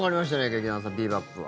劇団さん、「ビー・バップ」は。